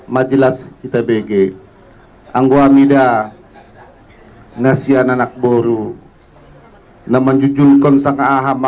majilas kita bg anggu amida nasi ananak boru nama jujur konsang